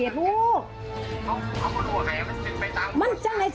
วิทยาลัยศาสตร์อัศวิทยาลัยศาสตร์